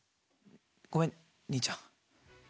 ごめん兄ちゃん。